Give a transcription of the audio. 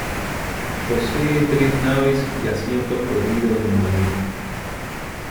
Posee tres naves y asientos corridos de madera.